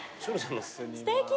すてき！